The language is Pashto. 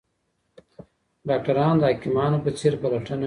ډاکټران د حکیمانو په څېر پلټنه کوي.